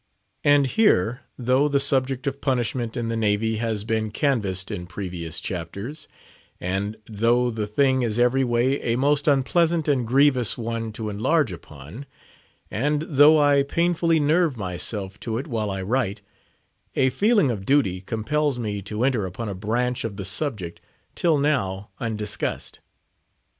And here, though the subject of punishment in the Navy has been canvassed in previous chapters, and though the thing is every way a most unpleasant and grievous one to enlarge upon, and though I painfully nerve myself to it while I write, a feeling of duty compels me to enter upon a branch of the subject till now undiscussed.